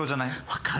分かる。